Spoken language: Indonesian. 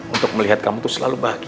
untuk melihat kamu itu selalu bahagia